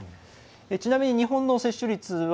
ちなみに日本の接種率は